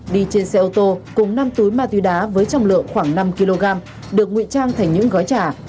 đi trên xe ô tô cùng năm túi ma túy đá với trọng lượng khoảng năm kg được nguy trang thành những gói trà